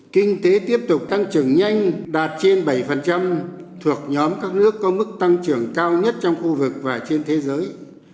kinh tế tiếp tục tăng trưởng nhanh đạt trên bảy thuộc nhóm các nước có mức tăng trưởng cao nhất trong khu vực và trên thế giới